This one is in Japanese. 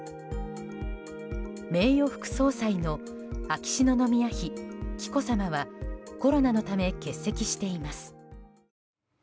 名誉副総裁の秋篠宮妃紀子さまはコロナのため欠席しています。